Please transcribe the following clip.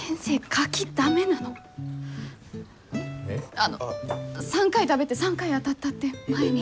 あの３回食べて３回あたったって前に。